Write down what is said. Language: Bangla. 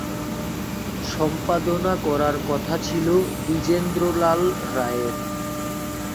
সম্পাদনা করার কথা ছিল দ্বিজেন্দ্রলাল রায়ের।